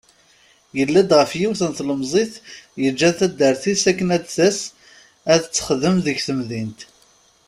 Tella-d ɣef yiwen n tlemzit yeǧǧan taddart-is akken ad d-tas ad texdem deg temdint.